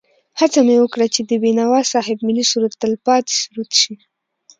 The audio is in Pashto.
هڅه مې وکړه چې د بېنوا صاحب ملي سرود تل پاتې سرود شي.